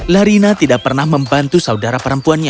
larina tidak pernah membantu saudara perempuannya